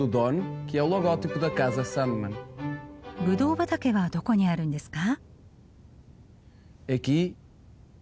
ぶどう畑はどこにあるんですか？